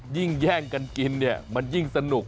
แย่งกันกินเนี่ยมันยิ่งสนุก